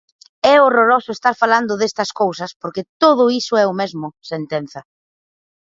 "É horroroso estar falando destas cousas" porque "todo iso é o mesmo", sentenza.